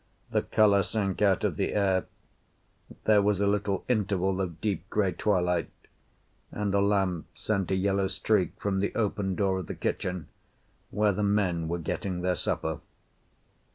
The colour sank out of the air, there was a little interval of deep grey twilight, and a lamp sent a yellow streak from the open door of the kitchen, where the men were getting their supper.